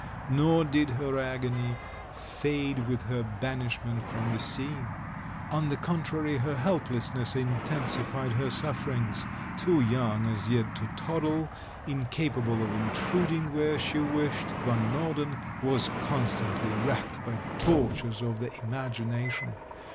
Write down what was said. Nor did her agony fade with her banishment from the scene. On the con trary, her helplessness intensified her sufferings; too young as yet to toddle, incapable of intruding where she wished, Van Norden was constantly racked by tortures of the imagination.